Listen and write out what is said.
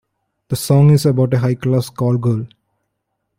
The song is about a high-class call girl.